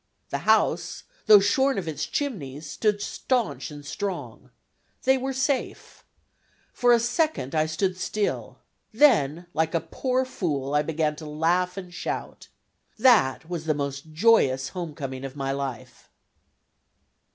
The house, though shorn of its chimneys, stood staunch and strong they were safe. For a second I stood still. Then, like a poor fool, I began to laugh and shout. That was the most joyous home coming of my life.